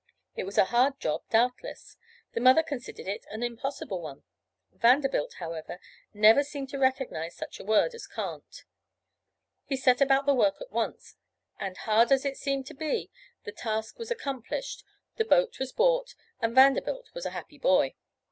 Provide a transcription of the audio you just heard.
It was a hard job, doubtless, the mother considered it an impossible one. Vanderbilt, however, seemed never to recognize such a word, as can't. He set about the work at once, and hard as it seemed to be, the task was accomplished, the boat was bought, and Vanderbilt was a happy boy.